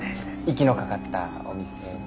息のかかったお店？